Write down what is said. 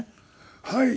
はい。